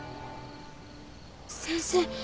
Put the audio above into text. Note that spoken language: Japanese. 先生。